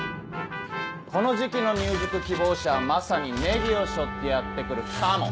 この時期の入塾希望者はまさにネギを背負ってやって来るカモ。